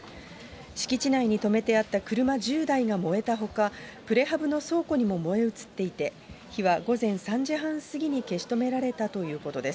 敷地内に止めてあった車１０台が燃えたほか、プレハブの倉庫にも燃え移っていて、火は午前３時半過ぎに消し止められたということです。